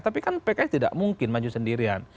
tapi kan pks tidak mungkin maju sendirian